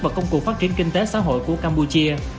và công cụ phát triển kinh tế xã hội của campuchia